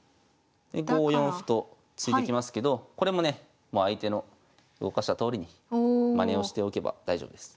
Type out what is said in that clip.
で５四歩と突いてきますけどこれもね相手の動かしたとおりにまねをしておけば大丈夫です。